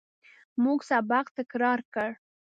موږ سبق تکرار کړ.